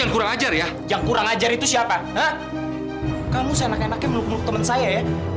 kurang aja dia yang kurang aja itu siapa kamu sekan menurut teman saya ya